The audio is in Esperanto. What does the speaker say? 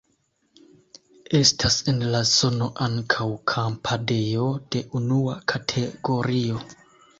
Estas en la zono ankaŭ kampadejo de unua kategorio.